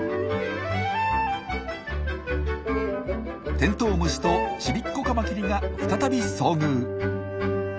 テントウムシとちびっこカマキリが再び遭遇。